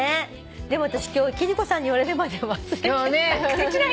でも私今日貴理子さんに言われるまで忘れてた。